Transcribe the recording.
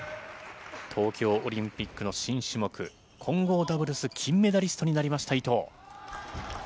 東京オリンピックの新種目、混合ダブルス金メダリストになりました伊藤。